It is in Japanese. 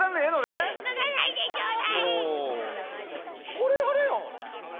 これあれやん。